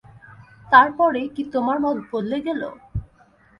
তারপরে কি তোমার মত বদলে গেল?